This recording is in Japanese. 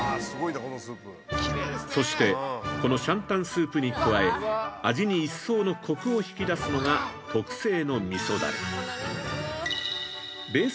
そして、このシャンタンスープに加え、味に一層のコクを引き出すのが、特製のみそダレ。